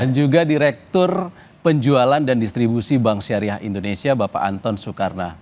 dan juga direktur penjualan dan distribusi bank syariah indonesia bapak anton soekarno